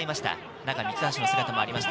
中には三橋の姿もありました。